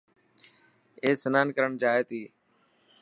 اي سنان ڪرڻ جائي تي.